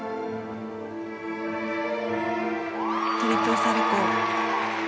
トリプルサルコウ。